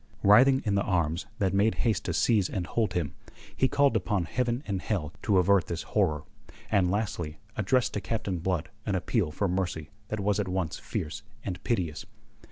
Writhing in the arms that made haste to seize and hold him, he called upon heaven and hell to avert this horror, and lastly, addressed to Captain Blood an appeal for mercy that was at once fierce and piteous.